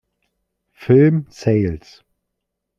Film Sales".